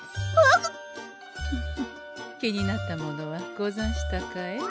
フフッ気になったものはござんしたかえ？